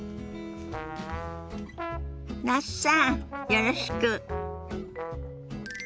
那須さんよろしく。